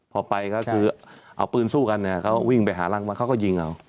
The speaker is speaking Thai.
พอไปก็คือเอาปืนสู้กันเนี่ยเขาวิ่งไปหารังมาเขาก็ยิงเอา